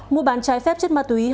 mua bán trái phép chất ma túy